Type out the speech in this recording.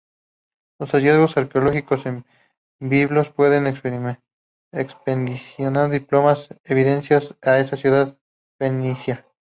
Los hallazgos arqueológicos en Biblos prueban expediciones diplomáticas enviadas a esa ciudad Fenicia.